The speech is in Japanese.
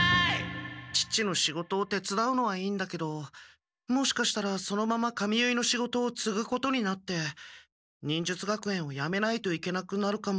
父の仕事をてつだうのはいいんだけどもしかしたらそのまま髪結いの仕事をつぐことになって忍術学園をやめないといけなくなるかも。